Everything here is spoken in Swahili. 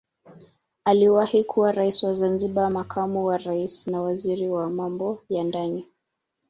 Aliwahi kuwa rais wa Zanzibar makamu wa rais na waziri wa Mambo ya ndani